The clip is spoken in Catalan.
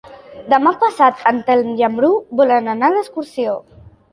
Demà passat en Telm i en Bru volen anar d'excursió.